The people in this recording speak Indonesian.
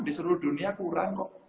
di seluruh dunia kurang kok